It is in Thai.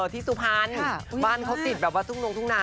ที่สุพรรณบ้านเขาติดแบบว่าทุ่งนงทุ่งนา